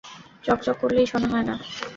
চক চক করলেই সোনা হয় না।